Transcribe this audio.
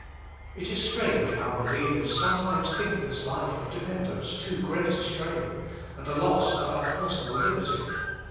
It is strange how believers sometimes think this life of dependence too great a strain, and a loss of our personal liberty.